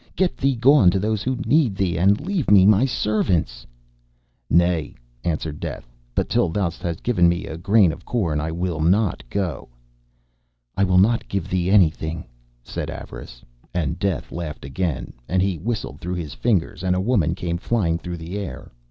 Get thee gone to those who need thee, and leave me my servants.' 'Nay,' answered Death, 'but till thou hast given me a grain of corn I will not go.' 'I will not give thee anything,' said Avarice. And Death laughed again, and he whistled through his fingers, and a woman came flying through the air.